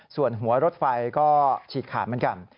ส่วนหัวรถไฟก็ฉีกขาดเหมือนกัน